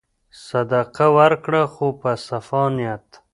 صدقه ورکړه خو په صفا نیت.